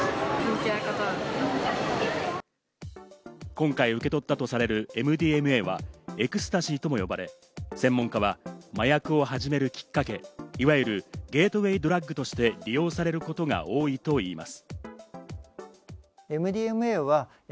今回受け取ったとされるＭＤＭＡはエクスタシーとも呼ばれ、専門家は麻薬を始めるきっかけ、いわゆるゲートウェイドラッグとして利用されることが多いといいます。